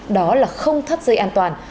đó là không thắt dây an toàn